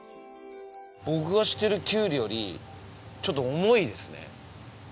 僕が知ってるきゅうりよりちょっと重いですね。